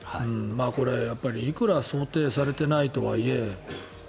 これいくら想定されていないとはいえ